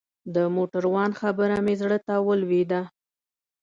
د موټروان خبره مې زړه ته ولوېده.